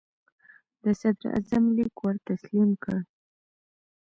د صدراعظم لیک ور تسلیم کړ.